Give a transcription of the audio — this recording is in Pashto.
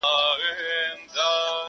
د طاووس تر رنګینیو مي خوښيږي!.